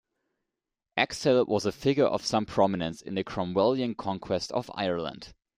Axtell was a figure of some prominence in the Cromwellian conquest of Ireland.